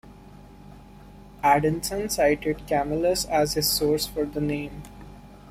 Adanson cited Camellus as his source for the name.